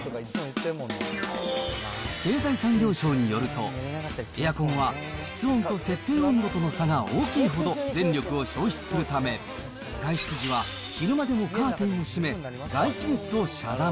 経済産業省によると、エアコンは室温と設定温度との差が大きいほど電力を消費するため、外出時は昼間でもカーテンを閉め、外気熱を遮断。